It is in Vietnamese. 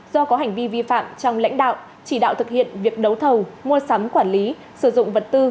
do có hành vi vi phạm trong lãnh đạo chỉ đạo thực hiện việc đấu thầu mua sắm quản lý sử dụng vật tư